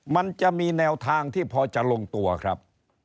มันจะมีแนวทางที่พอจะลงตัวครับ